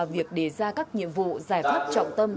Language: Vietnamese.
việc đề ra các nhiệm vụ giải pháp trọng tâm